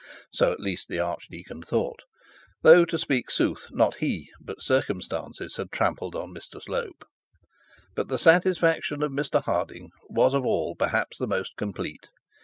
So at least the archdeacon thought; though, to speak sooth, not he, but circumstances had trampled on Mr Slope. But the satisfaction of Mr Harding was, of all perhaps, the most complete.